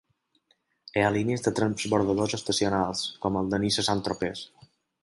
Hi ha línies de transbordadors estacionals com el de Niça a Saint-Tropez.